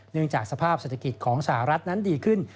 จากสภาพเศรษฐกิจของสหรัฐนั้นดีขึ้น